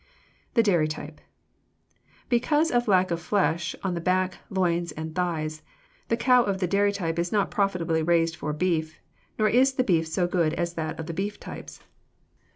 =The Dairy Type.= Because of lack of flesh on the back, loins, and thighs, the cow of the dairy type is not profitably raised for beef, nor is the beef so good as that of the beef types.